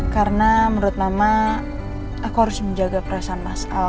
karena menurut mama aku harus menjaga perasaan mas al